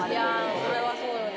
それはそうよね。